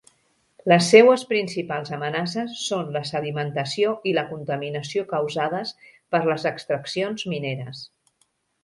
Les seues principals amenaces són la sedimentació i la contaminació causades per les extraccions mineres.